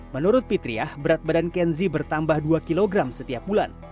menurut fitriah berat badan kenzi bertambah dua kg setiap bulan